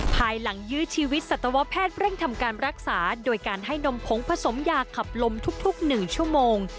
ภายหลังยื้อชีวิตสัตวแพทย์เร่งทำการรักษาโดยการให้นมผงผสมยาขับลมทุก๑ชั่วโมง